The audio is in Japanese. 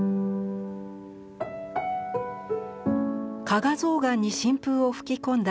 加賀象嵌に新風を吹き込んだ